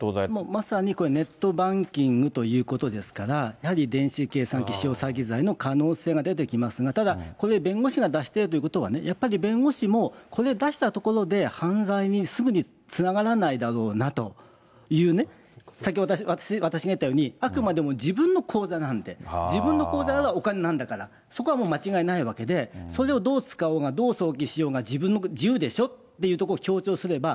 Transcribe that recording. まさにこれはネットバンキングということですから、やはり電子計算機使用詐欺罪の可能性が出てきますが、ただ、これ、弁護士が出しているということはね、やっぱり弁護士もこれ出したところで犯罪にすぐにつながらないだろうなというね、先ほど私が言ったように、あくまでも自分の口座なんで、自分の口座のお金なんだから、そこはもう、間違いないわけで、それをどう使おうが、どう送金しようが自分の自由でしょっていうところを強調すれば、